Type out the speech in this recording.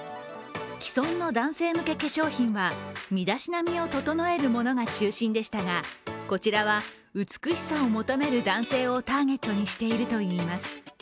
既存の男性向け化粧品は身だしなみを整えるのが中心でしたがこちらは美しさを求める男性をターゲットにしているといいます。